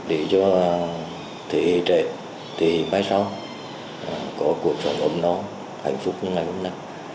để cho quân hoa kỳ đánh phá